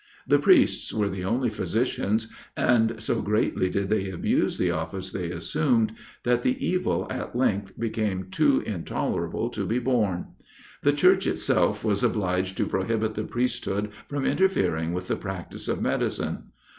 The priests were the only physicians, and so greatly did they abuse the office they assumed, that the evil at length became too intolerable to be borne. The church itself was obliged to prohibit the priesthood from interfering with the practice of medicine.